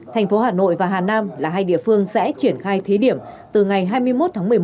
thành phố hà nội và hà nam là hai địa phương sẽ triển khai thí điểm từ ngày hai mươi một tháng một mươi một